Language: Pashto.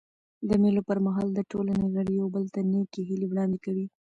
د مېلو پر مهال د ټولني غړي یو بل ته نېکي هیلي وړاندي کوي.